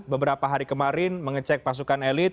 beberapa hari kemarin mengecek pasukan elit